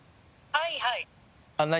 はいはい。